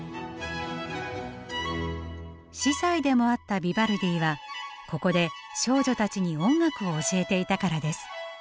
司祭でもあったヴィヴァルディはここで少女たちに音楽を教えていたからです。